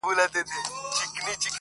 د ټولو ورور دی له بازاره سره لوبي کوي.!